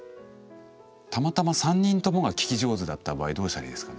たまたま３人ともが聞き上手だった場合どうしたらいいですかね。